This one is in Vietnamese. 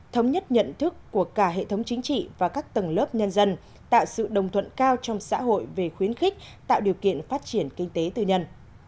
thống nhất nhận thức của cả hệ thống chính trị và các tầng lớp nhân dân tạo sự đồng thuận cao trong xã hội về khuyến khích tạo điều kiện phát triển kinh tế tư nhân